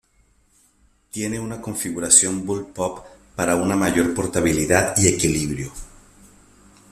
Tiene una configuración bullpup para una mayor portabilidad y equilibrio.